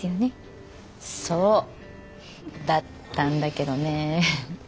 そうだったんだけどねぇ。